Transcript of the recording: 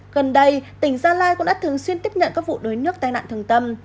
gần đây tỉnh gia lai cũng đã thường xuyên tiếp nhận các vụ đuối nước tai nạn thường tâm